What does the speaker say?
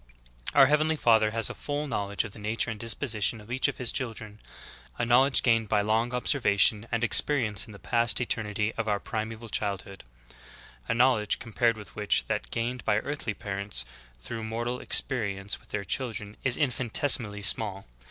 9. Our Heavenly Father has a full knowledge of the nature and dispositions of each of His children, a knowledge gained by long observation and experience in the past eter nity of our primeval childhood ; a knowledge compared with which that gained by earthly parents through mortal ex perience with their children is infinitesimally small.